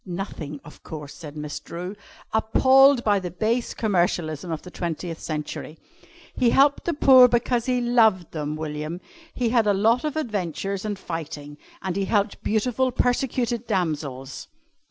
"Nothing, of course," said Miss Drew, appalled by the base commercialism of the twentieth century. "He helped the poor because he loved them, William. He had a lot of adventures and fighting and he helped beautiful, persecuted damsels."